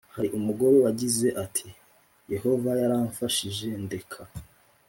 Hari umugore wagize ati Yehova yaramfashije ndeka